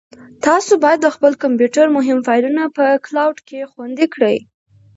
تاسو باید د خپل کمپیوټر مهم فایلونه په کلاوډ کې خوندي کړئ.